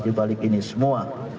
di balik ini semua